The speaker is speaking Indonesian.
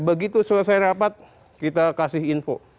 begitu selesai rapat kita kasih info